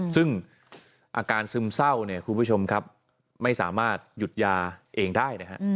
ซึ่งอาการซึมเศร้าเนี่ยคุณผู้ชมครับไม่สามารถหยุดยาเองได้นะฮะ